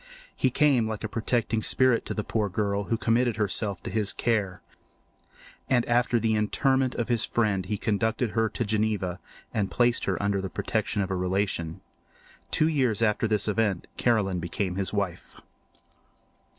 He came like a protecting spirit to the poor girl, who committed herself to his care; and after the interment of his friend he conducted her to Geneva and placed her under the protection of a relation. Two years after this event Caroline became his wife.